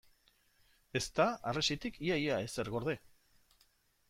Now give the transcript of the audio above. Ez da harresitik ia-ia ezer gorde.